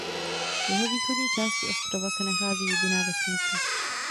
V jihovýchodní části ostrova se nachází jediná vesnice.